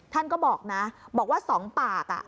ท่านก็บอกนะบอกว่า๒ปาก